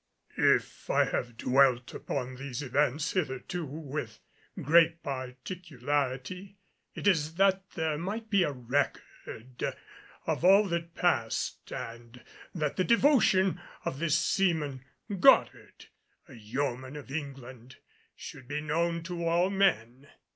If I have dwelt upon these events hitherto with great particularity, it is that there might be a record of all that passed and that the devotion of this seaman Goddard, a yeoman of England, should be known to all men.